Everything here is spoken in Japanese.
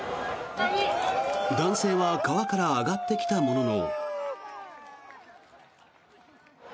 男性は川から上がってきたものの。